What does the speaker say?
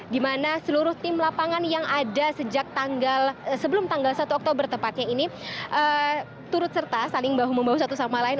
dimana seluruh tim lapangan yang ada sebelum tanggal satu oktober tepatnya ini turut serta saling membawa satu sama lain